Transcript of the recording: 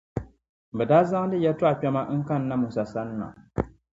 bɛ daa zaŋdi yɛtɔɣ’ kpɛma n-kana Musa sani na.